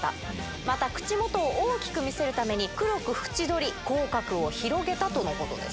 また口元を大きく見せるために、黒く縁取り、口角を広げたとのことです。